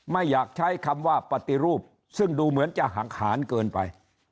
ไม่อยากใช้คำว่าปฏิรูปซึ่งดูเหมือนจะหังหารเกินไป